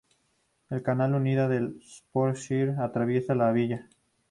La Canal Unida de Shropshire atraviesa la villa.